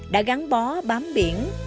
đã gắn bó bám biển